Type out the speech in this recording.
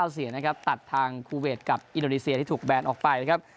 เสียนะครับตัดทางคูเวทกับอินโดนีเซียที่ถูกแบนออกไปนะครับ